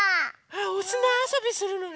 おすなあそびするのね。